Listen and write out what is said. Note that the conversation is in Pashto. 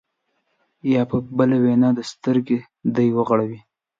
یا په بله وینا د زړه سترګې دې وغړوي.